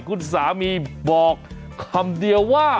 คุณสามีบอกคำเดียวว่า